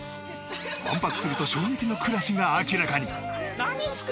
１泊すると衝撃の暮らしが明らかに。